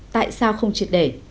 tại sao không triệt đề